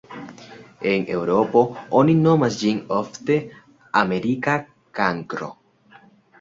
En Eŭropo oni nomas ĝin ofte "Amerika kankro".